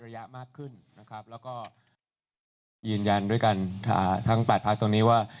ยืนยันด้วยกันทางปรัชน์ภาคตรงนี้ว่า